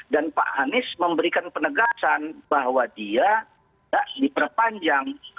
dan pak anies memberikan penegasan bahwa dia tidak diperpanjang